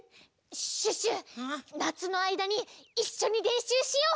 シュッシュなつのあいだにいっしょにれんしゅうしよう！